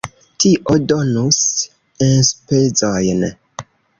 Tio donus enspezojn.